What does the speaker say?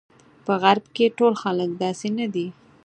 په غرب کې ټول خلک داسې نه دي.